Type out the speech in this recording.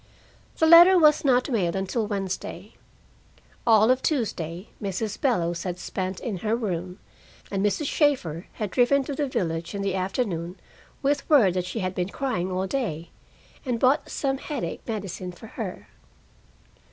The letter was not mailed until Wednesday. All of Tuesday Mrs. Bellows had spent in her room, and Mrs. Shaeffer had driven to the village in the afternoon with word that she had been crying all day, and bought some headache medicine for her.